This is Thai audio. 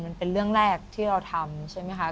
มันเป็นเรื่องแรกที่เราทำใช่ไหมคะ